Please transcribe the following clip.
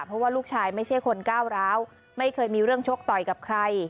เพราะว่าลูกชายไม่ใช่คนก้าวร้าวไม่เคยมีเรื่องชกต่อยกับใคร